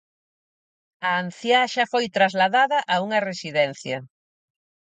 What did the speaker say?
A anciá xa foi trasladada a unha residencia.